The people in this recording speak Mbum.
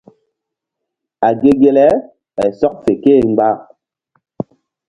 A ge ge le ɓay sɔk fe ké e mgba.